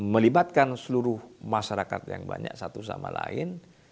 melibatkan seluruh masyarakat yang banyak satu sama lain